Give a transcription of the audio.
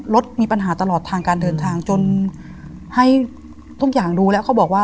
รถมีปัญหาตลอดทางการเดินทางจนให้ทุกอย่างดูแล้วเขาบอกว่า